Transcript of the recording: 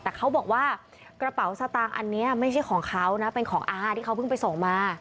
แต่เขาบอกว่ากระเป๋าสตางค์อันนี้ไม่ใช่ของเขานะเป็นของอาที่เขาเพิ่งไปส่งมา